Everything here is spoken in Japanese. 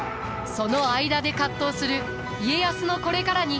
その間で葛藤する家康のこれからにご注目ください。